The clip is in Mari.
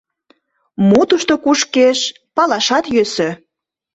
Мо тушто кушкеш, палашат йӧсӧ.